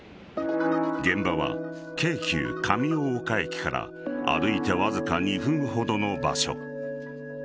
現場は京急・上大岡駅から歩いてわずか２分ほどの場所。